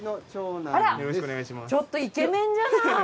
あらちょっとイケメンじゃない。